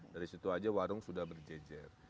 dari situ aja warung sudah berjejer